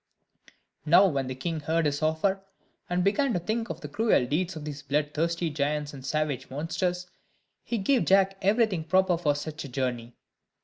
Now when the king heard this offer, and began to think of the cruel deeds of these blood thirsty giants and savage monsters, he gave Jack everything proper for such a journey.